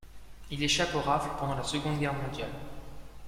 Il échappe aux rafles pendant la Seconde Guerre mondiale.